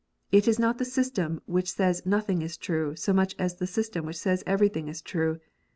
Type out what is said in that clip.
It is not the system which says nothing is true, so much as the system which says everything is true.